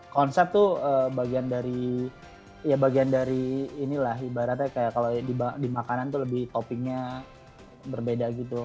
konsep tuh bagian dari ibaratnya kayak kalau di makanan tuh lebih toppingnya berbeda